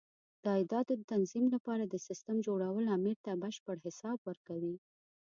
د عایداتو د تنظیم لپاره د سیسټم جوړول امیر ته بشپړ حساب ورکوي.